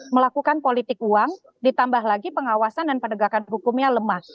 melakukan politik uang ditambah lagi pengawasan dan penegakan hukumnya lemah